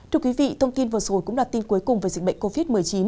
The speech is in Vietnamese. thưa quý vị thông tin vừa rồi cũng là tin cuối cùng về dịch bệnh covid một mươi chín